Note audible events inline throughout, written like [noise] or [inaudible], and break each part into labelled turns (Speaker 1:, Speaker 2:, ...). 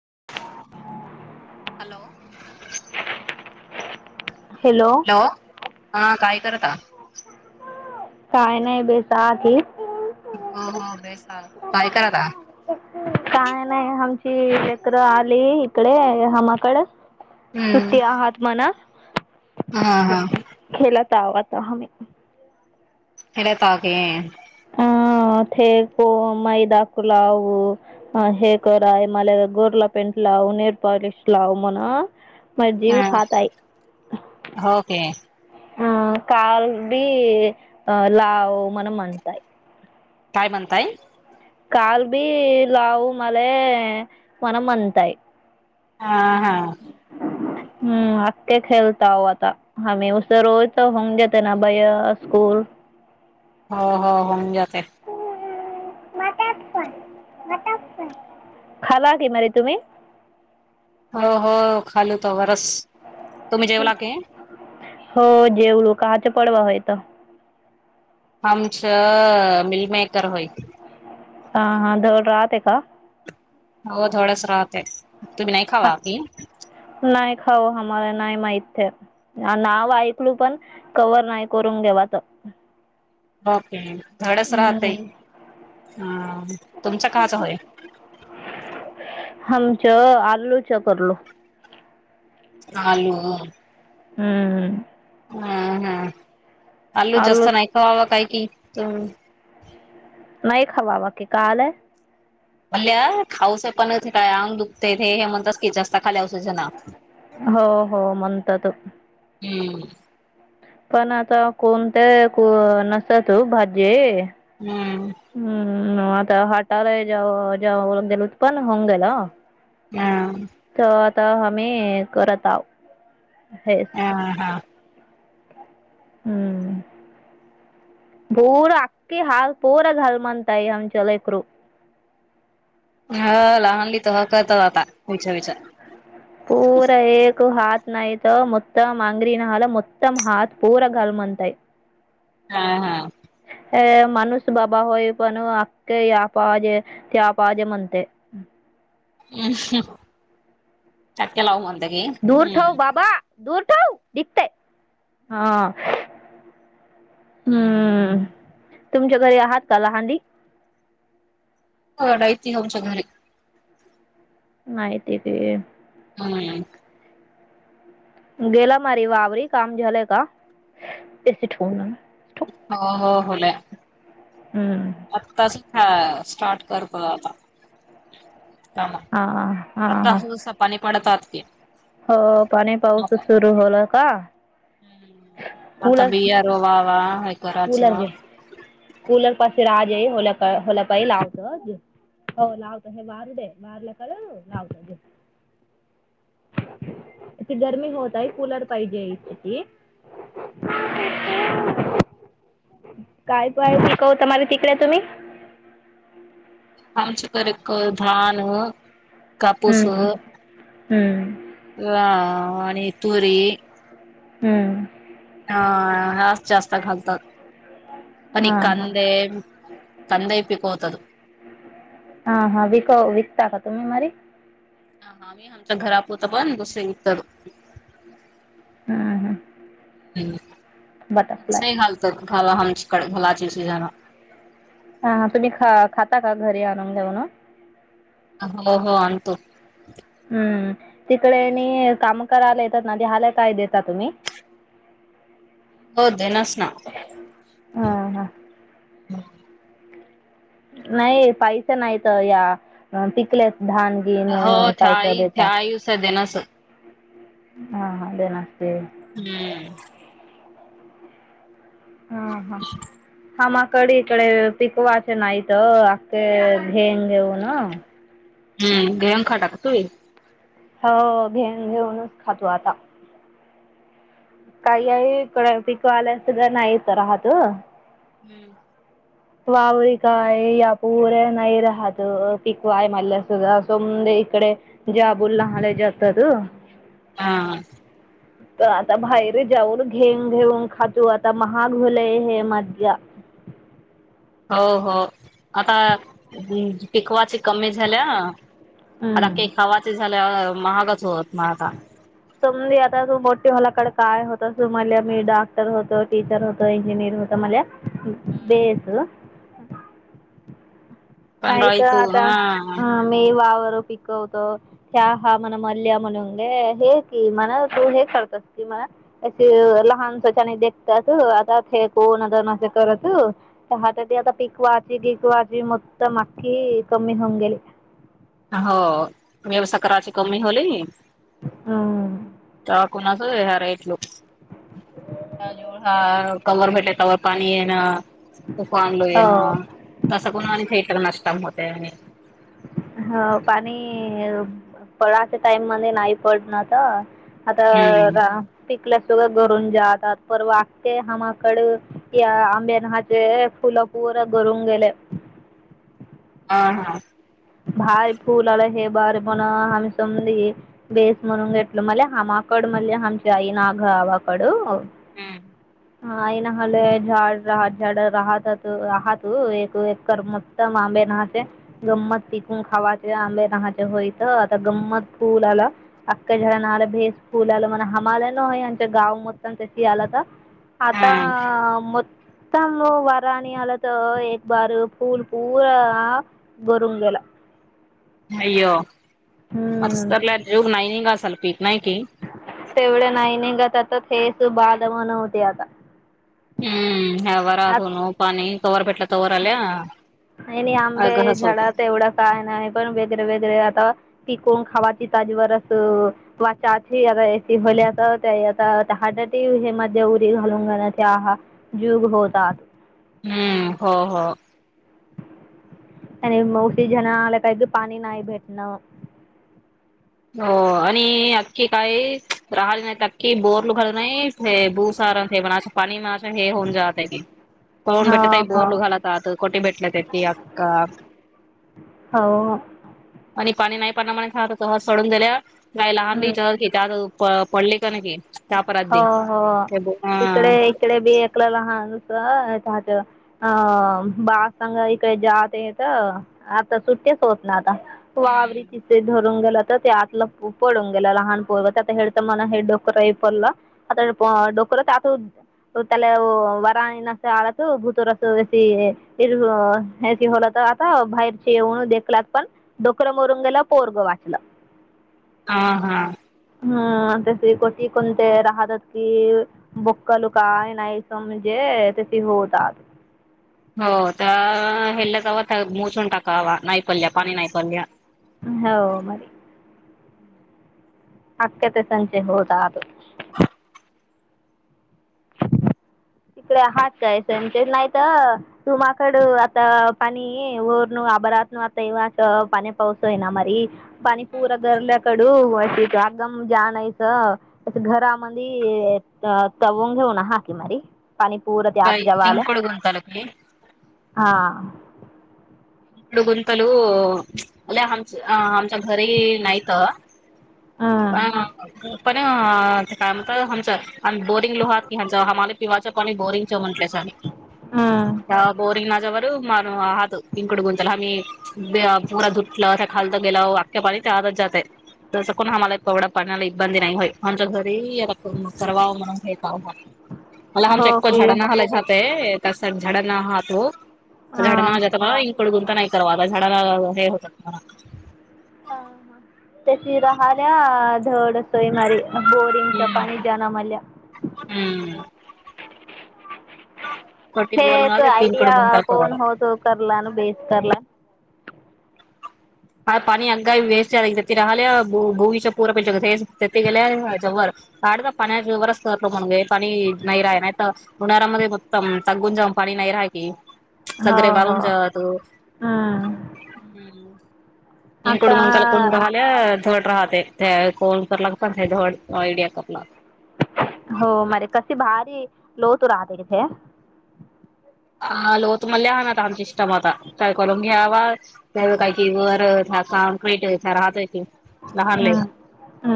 Speaker 1: [unintelligible]
Speaker 2: Hello
Speaker 1: hello
Speaker 2: हो हा काय? [unintelligible]
Speaker 1: काय नाय [unintelligible]
Speaker 2: हा हा बेस हाय काय करालाय.
Speaker 1: काय नाही आमची लेकर आली इकड मामाकड.
Speaker 2: हम्म
Speaker 1: सुट्टी आहात म्हणा.
Speaker 2: हा हा.
Speaker 1: तावाता हमे
Speaker 2: हेिडेताक [unintelligible]
Speaker 1: ह ते को मैदाकू लाव अ हे करा आहे मला गोरला पेंट लाव नीर पॉलिश लाव म्हणा [unintelligible] मय जीव
Speaker 2: हा
Speaker 1: खाताय.
Speaker 2: होके
Speaker 1: ह कालडी अ लाव म्हणम म्हणताय.
Speaker 2: काय म्हणताय.
Speaker 1: काल बी लाव मले मण म्हणताय.
Speaker 2: हा हा.
Speaker 1: हम् आके खेलता हो आता हम उ रोजत होऊंग जेत ना भैया स्कूल
Speaker 2: हो हो हो घ का
Speaker 1: खाला की म तुम्ही
Speaker 2: हो हो खाल तवर
Speaker 1: हो जेव लोक काच पडवा होयेत
Speaker 2: हमच मिलमेकर होय
Speaker 1: हा हा जड राहते आहे का
Speaker 2: हो थोडच राहते तुम्ही नाही खावा की
Speaker 1: हो मला नाही माहित नाव ऐकलू पण कवर नाही करून घेवा तर
Speaker 2: ओके धडच राहतय ह तुमचा काचा होय
Speaker 1: आमच आलू च करलो
Speaker 2: आलो
Speaker 1: हम्म
Speaker 2: हा हा आलू जास्त नाही खवावां काय की हम
Speaker 1: नाही खवावाकीि कालय
Speaker 2: भल्या खाऊस पण ते काय अंग दुखतेथ हे म्हणतात की जास्त खाली वसाज ना
Speaker 1: हो हो म्हणत त
Speaker 2: हम्म
Speaker 1: पण आता कोणत्या नसत तू भाजी
Speaker 2: हम्म
Speaker 1: हम् आता हटाला जव जव गेल उ पन् होऊंग गेला
Speaker 2: हा
Speaker 1: च त आम्ही करत आहोत
Speaker 2: हा हा [unintelligible]
Speaker 1: हम्म पूरा अक्की हल पूरा घर म्हनताय अमचं लेकरू
Speaker 2: हा लहानली तर ह करतात आता विचार विचार
Speaker 1: पूरा एक हात नाही मत्तम मांगरी नहाला मुत्तम हात पूरा घाल म्हणतय
Speaker 2: हा हा
Speaker 1: अ माणूस बाबा होय पण अखखे या पाहजे त्या पाहजे म्हणतेय
Speaker 2: [inaudible] चक्क्या लाव म [unintelligible]
Speaker 1: दूर ठंव बाबा दूर ठव दिखतय आ दतेहा
Speaker 2: [unintelligible]
Speaker 1: तुमच्या घरी आहात का लहानली?
Speaker 2: हो हायती आम्हच्या घरी
Speaker 1: नाही तीथे
Speaker 2: [unintelligible]
Speaker 1: गेला मारी वावररी काम झालं का एस ठी होन
Speaker 2: हो हो होलाय
Speaker 1: हम्म
Speaker 2: आत्ताच था स्टार्ट करतोय आता कामा
Speaker 1: हा हा
Speaker 2: आता
Speaker 1: हा
Speaker 2: असच पाणी पडतात [unintelligible]
Speaker 1: हो पाणी पाऊस सुरू होला का?
Speaker 2: ह् आता
Speaker 1: कूलर
Speaker 2: बिया रोवावा
Speaker 1: कूलर
Speaker 2: कराचवा
Speaker 1: घे कूलर पा राजे होल्या पाज लावत हो, लावत हे वारू दे वार कल लावत [inaudible] गरमी होत आहे कूलर पाहिजे इथे [unintelligible] काय? [unintelligible] तुम्ही
Speaker 2: आमच करक धानं कापूस
Speaker 1: हम्म.
Speaker 2: हं
Speaker 1: हम्म.
Speaker 2: [unintelligible] आणि तुरी
Speaker 1: हम्म
Speaker 2: हा आज जास्त घालतात आणि
Speaker 1: हा हा
Speaker 2: कांदे कांदे पिकवतात.
Speaker 1: [inaudible] हा हा विक विकता का तुम्ही मारी
Speaker 2: हा हा मी आमच्या घरापुत दुसरे विकतात
Speaker 1: हम्म हम्
Speaker 2: हम् मीच घालत [unintelligible] कड घलाज अस जाण
Speaker 1: हा तुम्ही ख खाता का घरी आणून [unintelligible]
Speaker 2: हो हो आणतो
Speaker 1: हम्म तिकडे आणि काम करायला येतात [unintelligible] काय देता तुम्ही [inaudible]
Speaker 2: हो देनास ना
Speaker 1: ह ह
Speaker 2: [inaudible]
Speaker 1: नाही पैसे नाही तर या पिकले धान गीण
Speaker 2: हो त्या
Speaker 1: काय तर
Speaker 2: आई त्या
Speaker 1: देताक
Speaker 2: आईस देनास.
Speaker 1: हा हां दे ना
Speaker 2: हम्म
Speaker 1: हा हा हा म कडीकडे पिकवाचे नाहीत अखखे घेंग घेऊन - -
Speaker 2: हम् [unintelligible] गंखाटाकत [unintelligible]
Speaker 1: हो घेन घेऊनच खातो आता. काही आहे कड पिक आल्यासध नाही हित राहात - -
Speaker 2: हम्म.
Speaker 1: वावर काय या पुऱ्या नाही राहत पिकवाय मल्या सुद्धा सोम इकडे जाबूल लहाले जातात.
Speaker 2: हा.
Speaker 1: तर आता बाहेर जाऊन घेऊन घेऊन खातो आता महागलय हे मध्या - -
Speaker 2: हो हो आता पिकवाची कमी झाल्या. आता काही
Speaker 1: हम्म
Speaker 2: खावाच झालं महागच होत म आता - -
Speaker 1: तुमी आता त मो होलाकडे काय होत त मला मी डॉक्टर होतो टीचर होतो इंजिनियर होतो म्हले- - बेस - - नाही तर
Speaker 2: पंधराईतू
Speaker 1: आता
Speaker 2: हा
Speaker 1: मी वावर - - पिकवत च हा म्हणा मल्ल्या म्हणूने हे कि म्हणा तू हे करतस कि म्हणा अ लहान स्वच्याने देखतात आता हे कोणद करत ह आता पीक वा कीक वा - - आता मागकी कमी होऊन गेली.
Speaker 2: हो व्यवसा कराची कमी होली - -
Speaker 1: हा.
Speaker 2: हो हरलव ह कववर भेटले कववर पाणी ना - - तूफ आणलो ये ना
Speaker 1: हो.
Speaker 2: तसं कोण मा थिएटर नष्टत - - अ
Speaker 1: ह पाणी पळाच्या टाइम मध्ये नाही पडण तर - - अता
Speaker 2: हम्म
Speaker 1: रा - - आपल्या सोग घरून जातात पर वागते हमाकड या आंब्यानहाचे फुलं पूर घरून गेले.
Speaker 2: हा, हा.
Speaker 1: भारी पूलाला हे भारी मोन हमस उदी वेसमुनंगेटलं म हम अकड म हंसाई ना गाव अकड - -
Speaker 2: हम्म.
Speaker 1: हा ना हले झाड राह झाड राहत राहातू एक मोत आंबे ना गमत - - पिकून खावायचे आंबे नहाचे होई तर आता गं्मत फूल आला अख्ख्या झाडला भेस फूल आला म्हण हमा्हाला न आच्या गाव म तशी आला तर - - आता
Speaker 2: हम्म
Speaker 1: म - - तम वारणी आला तर एक बार फूल पूरा ना गरुण गेला.
Speaker 2: अयो मतस्रलाग नाहीन का स्लप - -
Speaker 1: तेवढं नाही नाही. थस बाधव नव्हते आता - -
Speaker 2: हम्म. न वरा धोनो पाणी - -
Speaker 1: आणि
Speaker 2: अ
Speaker 1: आंबे
Speaker 2: घस होते
Speaker 1: झाडात एवढा काय नाही पण वेगैरे वेगैरे आता - - तिकण खावाची तजवरच वाचाची आता एसी होल्या तर आता हार्ट अटक हे मध्ये उरी घालून घाण्याचे जुग होतात.
Speaker 2: हम्म, हो, हो.
Speaker 1: आणि मावशी जण आला काही की पाणी नाही भेटणं
Speaker 2: हो आणि अखखी काय राहाले नाहीत कि बोर ल उघालत नाही हे भूसार हे पण पाणी म्ह हे होऊन जात आहे की कोून
Speaker 1: हा
Speaker 2: भेटत बोर
Speaker 1: हा
Speaker 2: ल उघालतात कोटे भेटलत की अका
Speaker 1: हो
Speaker 2: आणि पाणी नाही पामुळे [unintelligible] सोडून दिल्या कााय लहान च
Speaker 1: हम्म
Speaker 2: त्या तू प पडली का न क [unintelligible]
Speaker 1: हो हो
Speaker 2: हा
Speaker 1: इकडे इकडे बी एकलं लहान त अ बाळाांघ इकडे जात येत आता सुट्टेच होत ना वावररीचि पेज गेलं तर ते आतलं पडून गेलं लहानोता हे तर म हेड [unintelligible] क परला आता डोकच आत त्याला वारणी नस आळत भुतूरस होल तर आता बाहेरचे येऊन देखलात पण डोकं मोरून गेला पोरग वाचलं
Speaker 2: हा हा
Speaker 1: हा आता स ती कोणते राहतात कि बुक्कल काय नाहीस म्हणजे ते होतात
Speaker 2: हो तर हेल्ला जाव मोजून टाकावा नाही पडल्या पाणी नाही पडल्या
Speaker 1: हो अखते संजे होौद अो
Speaker 2: ह
Speaker 1: तिकडे आहात काय सचे नाहीत तुमकड आता पाणी र न अबरात न आता येवं पाणी पाऊस आहे ना मरी पाणी पूर गरल्याकडून होशी अदम जाणयच घरामध्ये तवून घेऊन हाकी मारी पाणीपूरत आत
Speaker 2: काय
Speaker 1: जवालं
Speaker 2: इंकड गुंतल की इंकड
Speaker 1: हां
Speaker 2: इकड गुंतलू अ आमच आमच्या घरीही नाहीत पण
Speaker 1: हम्म
Speaker 2: पण ते काम हमसर बोरिंग लोहााती हमारे क वाच आणि बोरिंग म्हंट ले
Speaker 1: हम्म
Speaker 2: बोरिंगवर हात पिंकड गुंतला. पूर्ण धुतलं. त्या खालून गेलं. पाणी त्या हातात जातंय. पण आम्हाला एवढं पडण्याला इबंदी नाही होय, आमच्या घरी परवा म्हण का? अलं, हम.
Speaker 1: हो
Speaker 2: चको
Speaker 1: की
Speaker 2: झाडाखाली जातो. तसं झाडणं आहात हो. अं,
Speaker 1: हा
Speaker 2: हाडण जातं, वाईट काढून नाही करावं. झाडाला हे होतं.
Speaker 1: अशी तशी राहायला धडत नाही. सोयमारी बोरिंगचं पाणी
Speaker 2: हम्म
Speaker 1: गढूळ झालं.
Speaker 2: हम्म. कटी
Speaker 1: हे तर
Speaker 2: बोरिंग तीनकड
Speaker 1: आयडिया
Speaker 2: गुंताला
Speaker 1: कोण
Speaker 2: कराव
Speaker 1: होत होता न बेस करला.
Speaker 2: [unintelligible]
Speaker 1: हो
Speaker 2: सगळे
Speaker 1: हो
Speaker 2: वाळून जातात.
Speaker 1: हम्म आता
Speaker 2: [unintelligible] [unintelligible]
Speaker 1: हो मारे कशी भारी लोतू राहतो कुठे?
Speaker 2: हालो, तुम्हाला ना, आमच्या... टमाटा काय करून घ्यावा? त्याला काही करावं का? कम्प्लीट व्हायचं राहते ते. लहानले,
Speaker 1: हम्म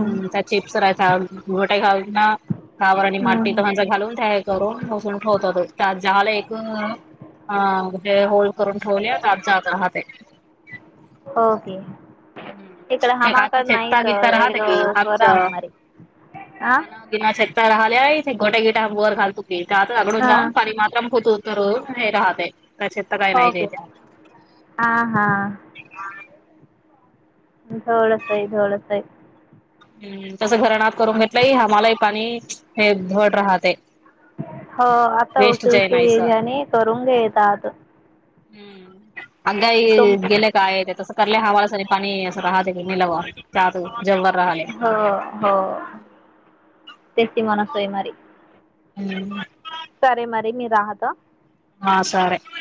Speaker 2: हम्म, त्या चिप्स खाय. गटात खाऊ देतात ना? कावर आणि माती
Speaker 1: हम्म
Speaker 2: तर घालवून त्या. ऊनसून ठेवतात ना. अ म्हे होल्ड करून ठेवले आत जात राहते.
Speaker 1: ओके.
Speaker 2: हम्म
Speaker 1: इकडे
Speaker 2: त्या
Speaker 1: हमाकड
Speaker 2: कथा-चेता
Speaker 1: नाहीच
Speaker 2: बिता राहत
Speaker 1: एडग
Speaker 2: की
Speaker 1: रावा
Speaker 2: आमचं
Speaker 1: मारी आ
Speaker 2: गणना? रात्री गोठा-गेटावर घालतो. आम्ही पुढून
Speaker 1: हा
Speaker 2: जाऊन पाणी भरत होतो. जोर हे राहत नाही.
Speaker 1: होके,
Speaker 2: जायच्या
Speaker 1: हा हा! वळच आहे, धवळच आहे.
Speaker 2: हम्म, तसं घरात करून घेतलं. त्यामुळे आम्हालाही पाणी राहतं.
Speaker 1: हो, आता उशी-उशीने करून घेत आहेत.
Speaker 2: हम्म. अगं, गेल्या काय? तसं का? हवासाठी पाणी असंच राहतं का मलावात?
Speaker 1: हो हो [inaudible] ती मन सोय मारी [inaudible]
Speaker 2: हम्म
Speaker 1: सरे मरी मी राहदा
Speaker 2: हा सरे [inaudible]